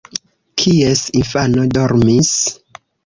Kies infano dormis?